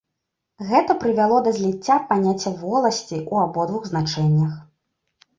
Гэта прывяло да зліцця паняцця воласці ў абодвух значэннях.